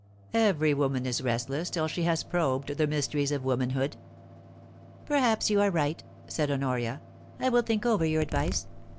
Every woman is restless till she has probed the mysteries of womanhood' * Perhaps you are right,' said Honoria. * I will think over your advice.